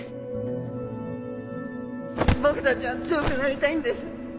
僕たちは強くなりたいんです。